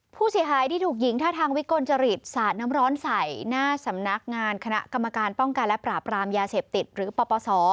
ผู้เสียหายที่ถูกหญิงท่าทางวิกลจริตสาดน้ำร้อนใส่หน้าสำนักงานคณะกรรมการป้องกันและปราบรามยาเสพติดหรือปปศ